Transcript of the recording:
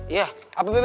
iya apa beb